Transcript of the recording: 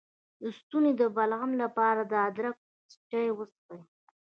د ستوني د بلغم لپاره د ادرک چای وڅښئ